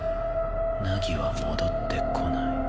凪は戻ってこない。